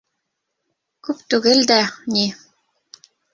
— Күп түгел дә ни...